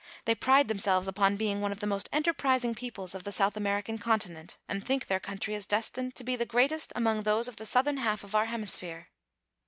They pride themselves upon being one of the most enterprising peo ples of the South American continent, and think their country is destined to be the greatest among those of the southern half of our hemisphere.